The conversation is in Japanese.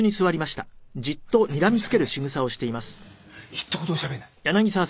ひと言もしゃべんない。